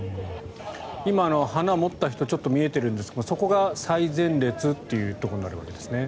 今、花を持った人ちょっと見えているんですがそこが最前列ということになるわけですね。